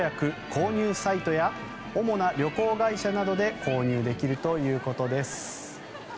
・購入サイトや主な旅行会社などで購入できるということです。